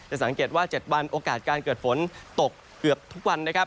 สังเกตว่า๗วันโอกาสการเกิดฝนตกเกือบทุกวันนะครับ